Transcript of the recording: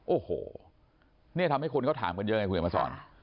โอ้โหนี่ทำให้คนเขาถามกันเยอะไงคุณเห็นมาสอน